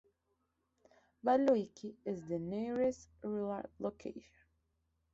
Valuyki is the nearest rural locality.